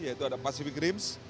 yaitu ada pacific rim